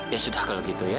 ya sudah kalau gitu ya